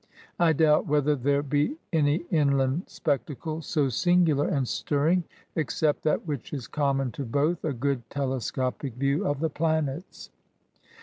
I doubt whether there be any inland spectacle so singular d2 52 ESSAYS. and stirring, except that which is common to both, a good telescopic view of the planets.